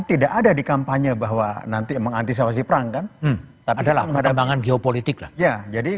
tidak ada di kampanye bahwa nanti mengantisipasi perangkan adalah perkembangan geopolitik ya jadi